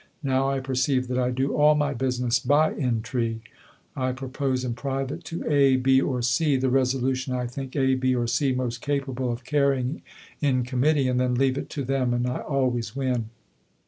Now I perceive that I do all my business by intrigue. I propose in private to A, B, or C the resolution I think A, B, or C most capable of carrying in committee, and then leave it to them, and I always win.